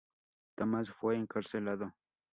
Tomás fue encarcelado.